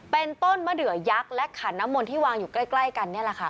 เป็นต้นมะเดือยักษ์และขันน้ำมนที่วางอยู่ใกล้กันนี่แหละค่ะ